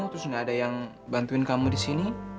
terus nggak ada yang bantuin kamu di sini